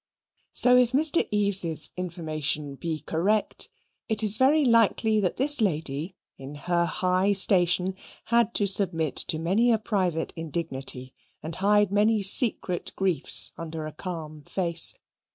So, if Mr. Eaves's information be correct, it is very likely that this lady, in her high station, had to submit to many a private indignity and to hide many secret griefs under a calm face.